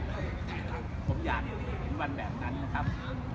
ผมอยากจะกินวันแบบนั้นครับ